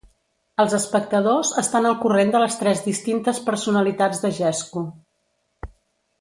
Els espectadors estan al corrent de les tres distintes personalitats de Jesco.